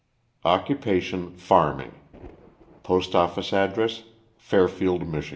Occupation, farming. Postoffice address, Fairfield, Mich.